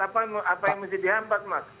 apa yang mesti dihambat mas